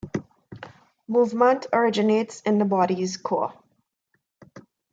Movement originates in the body's core.